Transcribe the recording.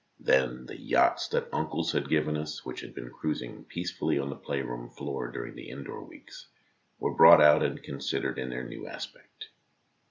Then the yachts that uncles had given us, which had been cruising peacefully on the playroom floor during the indoor weeks, were brought out and considered in their new aspect.